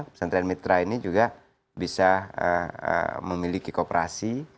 pesantren mitra ini juga bisa memiliki kooperasi